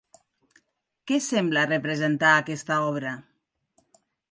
Què sembla representar aquesta obra?